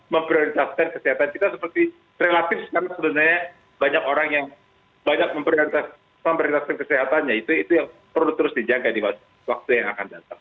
memperluaskan kesehatan kita seperti relatif karena sebenarnya banyak orang yang banyak memperluaskan kesehatannya itu perlu terus di jaga di waktu yang akan datang